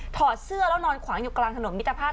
อดเสื้อแล้วนอนขวางอยู่กลางถนนมิตรภาพ